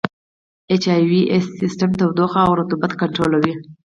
اچ وي اې سي سیسټم تودوخه او رطوبت کنټرولوي.